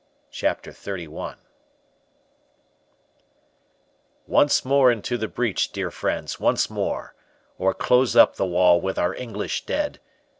CHAPTER XXXI Once more unto the breach, dear friends, once more, Or, close the wall up with our English dead.